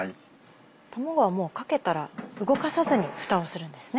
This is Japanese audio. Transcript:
卵はかけたら動かさずにふたをするんですね。